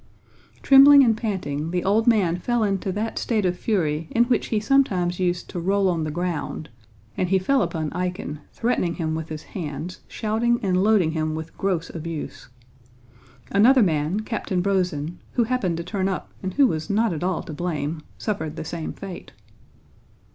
Trembling and panting the old man fell into that state of fury in which he sometimes used to roll on the ground, and he fell upon Eýkhen, threatening him with his hands, shouting and loading him with gross abuse. Another man, Captain Brózin, who happened to turn up and who was not at all to blame, suffered the same fate.